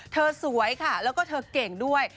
เธอสวยกันแล้วก็เก่งด้วย